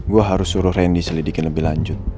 gue harus suruh ren di selidikin lebih lanjut